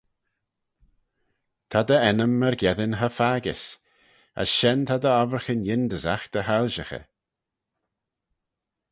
Ta dt'ennym myrgeddin cha faggys: as shen ta dt'obbraghyn yindyssagh dy hoilshaghey.